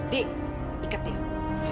dik ikat dia supaya dia gak kabur